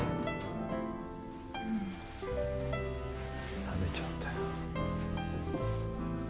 冷めちゃったよ。